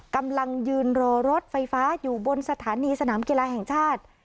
กำลังยืนรอรถไฟฟ้าอยู่บนสถานีสนามกีฬาแห่งชาติ